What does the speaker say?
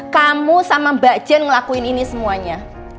kamu sama mbak jen ngelakuin ini semuanya